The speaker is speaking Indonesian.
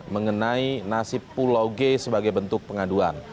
mengenai nasib pulau g sebagai bentuk pengaduan